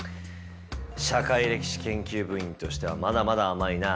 社会歴史研究部員としてはまだまだ甘いな。